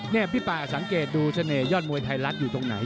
นี่พี่ป่าสังเกตดูเสน่หยอดมวยไทยรัฐอยู่ตรงไหน